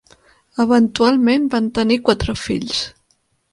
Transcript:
Eventualment van tenir quatre fills.